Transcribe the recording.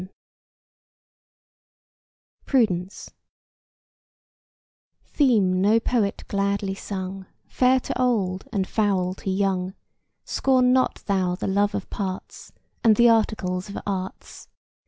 VII. PRUDENCE Theme no poet gladly sung, Fair to old and foul to young; Scorn not thou the love of parts, And the articles of arts.